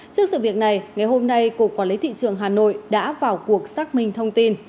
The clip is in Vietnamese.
trước sự việc này ngày hôm nay cục quản lý thị trường hà nội đã vào cuộc xác minh thông tin